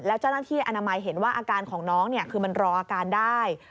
แล้วเจ้าหน้าที่อนามัยเห็นว่าอาการของน้องคือมันรออาการได้